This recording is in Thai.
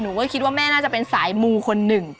หนูก็คิดว่าแม่น่าจะเป็นสายมูคนหนึ่ง